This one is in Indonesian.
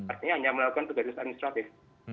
artinya hanya melakukan tugas administratif